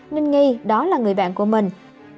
nên nghi đó là người bạn của mình